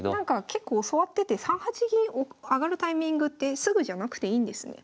結構教わってて３八銀上がるタイミングってすぐじゃなくていいんですね。